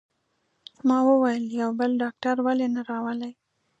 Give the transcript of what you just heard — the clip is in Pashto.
ما وویل: یو بل ډاکټر ولې نه راولئ؟